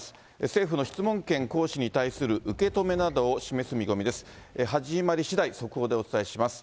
政府の質問権行使に対する受け止めなどを示す見込みです。